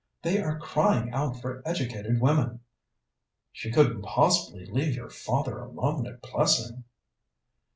They are crying out for educated women." "She couldn't possibly leave your father alone at Plessing."